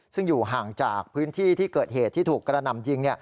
ซึ่งอยู่ห่างจากพื้นที่ที่เกิดเหตุที่ถูกกระหน่ำยิง